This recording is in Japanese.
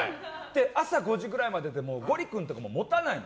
朝５時くらいまででゴリ君とかも持たないの。